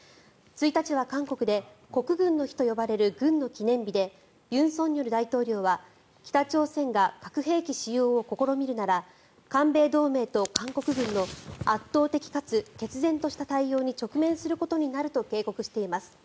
１日は韓国で国軍の日と呼ばれる軍の記念日で尹錫悦大統領は北朝鮮が核兵器使用を試みるなら韓米同盟と韓国軍の圧倒的かつ決然とした対応に直面することになると警告しています。